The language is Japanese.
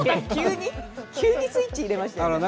急にスイッチ入れましたね。